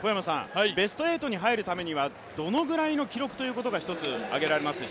ベスト８に入るためにはどのぐらいの記録があげられますか。